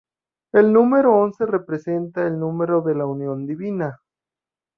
El número once representa el número de la unión divina.